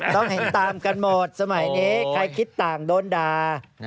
ต้องเห็นตามกันหมดสมัยนี้ใครคิดต่างโดนด่า